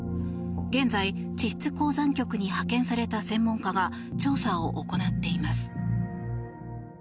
現在、地質鉱山局に派遣された専門家が調査を行っています。